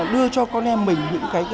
đưa cho con em mình những cái